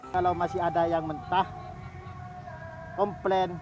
kalau masih ada yang mentah komplain